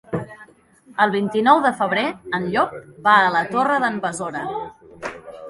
El vint-i-nou de febrer en Llop va a la Torre d'en Besora.